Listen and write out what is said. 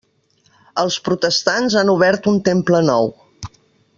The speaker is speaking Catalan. Els protestants han obert un temple nou.